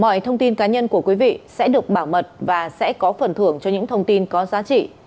mọi thông tin cá nhân của quý vị sẽ được bảo mật và sẽ có phần thưởng cho những thông tin có giá trị